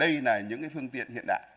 đây là những cái phương tiện hiện đại